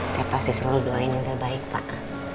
saya pasti selalu doain yang terbaik pak